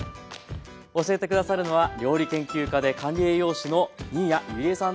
教えて下さるのは料理研究家で管理栄養士の新谷友里江さんです。